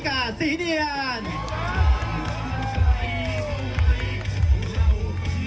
กลับไปรับไป